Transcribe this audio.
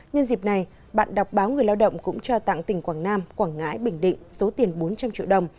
nhân dịp này bạn đọc báo người lao động cũng trao tặng tỉnh quảng nam quảng ngãi bình định số tiền bốn trăm linh triệu đồng